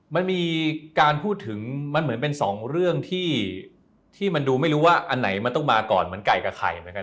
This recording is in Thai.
มันมีการพูดถึงมันเหมือนเป็นสองเรื่องที่มันดูไม่รู้ว่าอันไหนมันต้องมาก่อนเหมือนไก่กับไข่เหมือนกัน